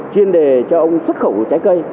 chuyên đề cho ông xuất khẩu trái cây